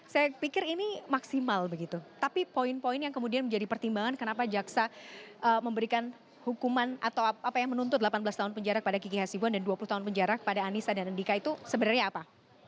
saya pikir ini maksimal begitu tapi poin poin yang kemudian menjadi pertimbangan kenapa jaksa memberikan hukuman atau apa yang menuntut delapan belas tahun penjara pada kiki hasibuan dan dua puluh tahun penjara kepada anissa dan andika itu sebenarnya apa